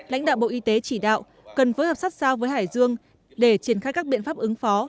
lãnh đạo bộ y tế chỉ đạo cần phối hợp sát sao với hải dương để triển khai các biện pháp ứng phó